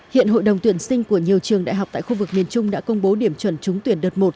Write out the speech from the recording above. hiện hội đồng tuyển sinh của nhiều trường đại học tại khu vực miền trung đã công bố điểm chuẩn trúng tuyển đợt một